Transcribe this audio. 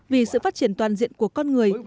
vì sự phát triển toàn diện của con người